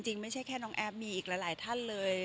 ไม่ใช่แค่น้องแอฟมีอีกหลายท่านเลย